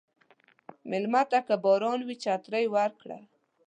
مېلمه ته که باران وي، چترې ورکړه.